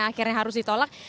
akhirnya harus ditolak